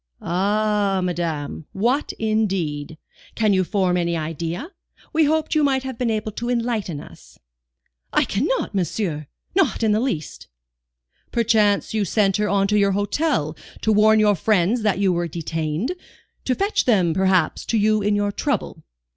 "Ah, madame, what indeed? Can you form any idea? We hoped you might have been able to enlighten us." "I cannot, monsieur, not in the least." "Perchance you sent her on to your hotel to warn your friends that you were detained? To fetch them, perhaps, to you in your trouble?"